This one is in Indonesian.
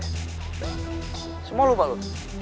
semua lupa lo